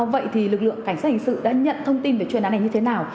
vậy thì lực lượng cảnh sát hình sự đã nhận thông tin về chuyên án này như thế nào